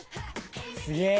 すげえ。